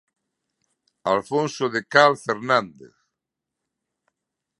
Alfonso de Cal Fernández.